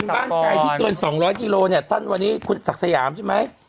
บ้านไกลที่เกิน๒๐๐กิโลเนี่ยท่านวันนี้คุณศักดิ์สยามใช่ไหม